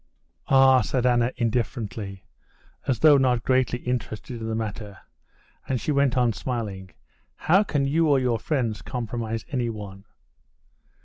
"Ah!" said Anna indifferently, as though not greatly interested in the matter, and she went on smiling: "How can you or your friends compromise anyone?"